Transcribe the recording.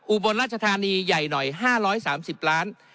อุบลราชธานีใหญ่หน่อย๕๓๐ล้าน